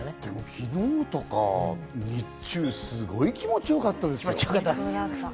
昨日とか日中すごい気持ちよかったですよ。